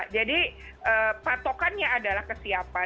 jadi patokannya adalah kesiapan